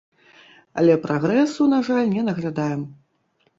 Але прагрэсу, на жаль, не наглядаем.